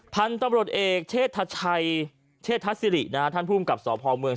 พันธ์ตำรวจเอกเชษฐชัยเชษฐศิรินะฮะท่านผู้กลับสอบภอมเมือง